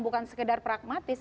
bukan sekedar pragmatis